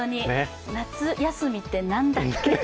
夏休みって何だっけ？